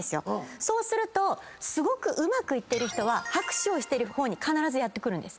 そうするとすごくうまくいってる人は拍手をしてる方に必ずやって来るんです。